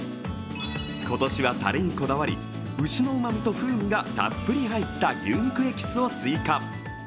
今年はタレにこだわり、牛のうまみと風味がたっぷり入った牛肉エキスを追加。